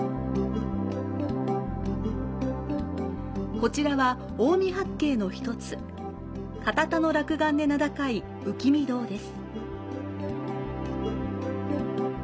こちらは近江八景の１つ、堅田落雁で名高い浮御堂です。